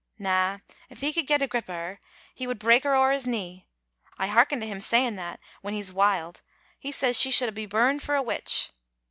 " Na; if he could get grip o' her he would break her ower his knee. I hearken to him saying that, when he's wild. He says she should be burned for a witch."